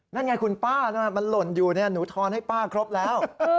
นั่นไงคุณป้าทำไมมันหล่นอยู่หนูทอนให้ป้าครบแล้ว